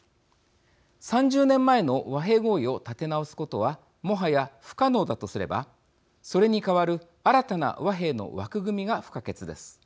３０年前の和平合意を立て直すことはもはや不可能だとすればそれに代わる新たな和平の枠組みが不可欠です。